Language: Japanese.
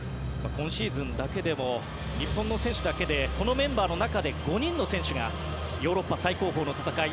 今シーズンだけでもこのメンバーだけでも５人の選手がヨーロッパ最高峰の戦い